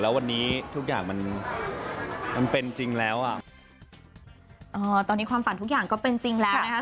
แล้ววันนี้ทุกอย่างมันมันเป็นจริงแล้วอ่ะเออตอนนี้ความฝันทุกอย่างก็เป็นจริงแล้วนะคะ